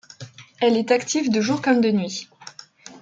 Elle est active de jour comme de nuit.